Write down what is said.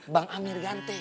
bang amir ganteng